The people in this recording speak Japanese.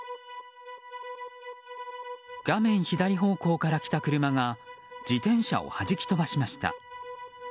画面左方向から来た車が自転車をはじき飛ばしました。